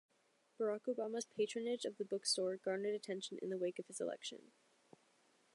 Barack Obama's patronage of the bookstore garnered attention in the wake of his election.